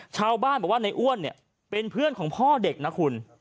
ชาวบ้านบอกว่าในอ้วนเนี่ยเป็นเพื่อนของพ่อเด็กนะคุณ